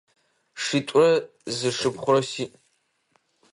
Шитӏурэ зы шыпхъурэ сиӏ.